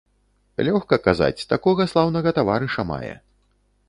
Лёгка казаць, такога слаўнага таварыша мае.